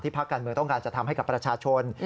พักการเมืองต้องการจะทำให้กับประชาชน